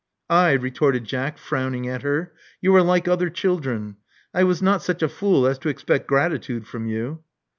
Aye," retorted Jack, frowning at her: you are like other children. I was not such a fool as to expect gratitude from you."